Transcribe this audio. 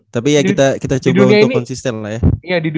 tapi ya kita coba untuk konsisten lah ya